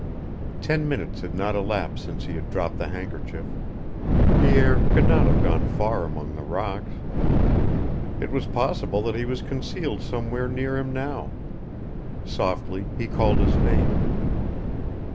Ten minutes had not elapsed since he had dropped the handkerchief. Pierre could not have gone far among the rocks. It was possible that he was concealed somewhere near him now. Softly he called his name.